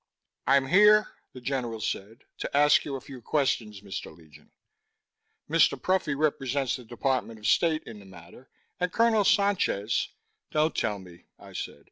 "I'm here," the general said, "to ask you a few questions, Mr. Legion. Mr. Pruffy represents the Department of State in the matter, and Colonel Sanchez " "Don't tell me," I said.